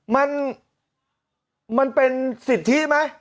มันมันเป็นสิทธิไหม